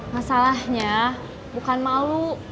masalahnya bukan malu